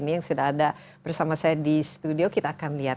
ini yang sudah ada bersama saya di studio kita akan lihat